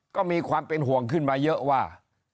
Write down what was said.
ก็มีความเป็นห่วงขึ้นมาเยอะว่า